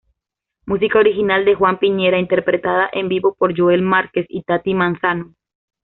Música original de Juan Piñera, interpretada en vivo por Joel Márquez y Tati Manzano.